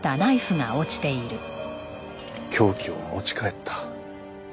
凶器を持ち帰った。